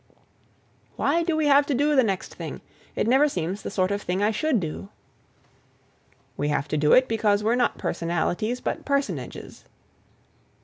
"Why do we have to do the next thing? It never seems the sort of thing I should do." "We have to do it because we're not personalities, but personages."